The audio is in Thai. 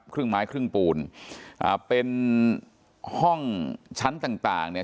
ครึ่งไม้ครึ่งปูนอ่าเป็นห้องชั้นต่างต่างเนี่ย